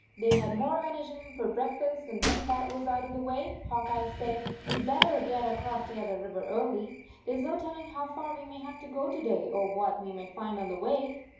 They had more venison for break fast, and when that was out of the way, Hawk Eye said: " We d better get across the other river early. There s no telling how far we may have to go to day, or what we may find on the way."